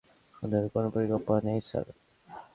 আমার কোন পরিকল্পনা নেই স্যার।